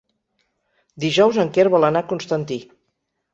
Dijous en Quer vol anar a Constantí.